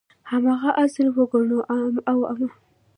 هماغه اصل وګڼو او اعمال یو مخ پاک کړو.